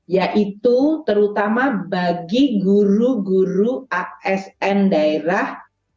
yaitu terutama bagi guru guru asn daerah